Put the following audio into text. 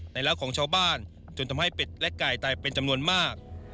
รักของชาวบ้านจนทำให้เป็ดและไก่ตายเป็นจำนวนมาก